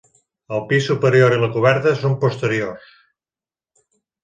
El pis superior i la coberta són posteriors.